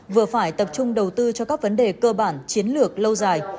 vừa phải tập trung đầu tư cho các vấn đề cơ bản chiến lược lâu dài